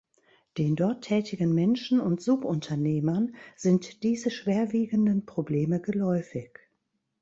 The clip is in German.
Den dort tätigen Menschen und Subunternehmern sind diese schwerwiegenden Probleme geläufig.